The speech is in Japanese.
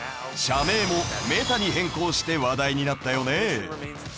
社名もＭｅｔａに変更して話題になったよね。